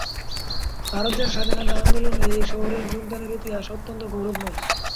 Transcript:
ভারতের স্বাধীনতা আন্দোলনে এই শহরের যোগদানের ইতিহাস অত্যন্ত গৌরবময়।